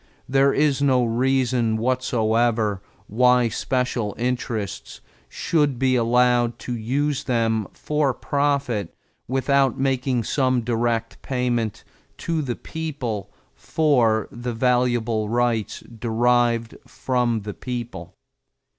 There is no reason whatever why special interests should be allowed to use them for profit without making some direct payment to the people for the valuable rights derived from the people.